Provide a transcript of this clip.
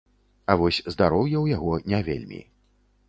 А вось здароўе ў яго не вельмі.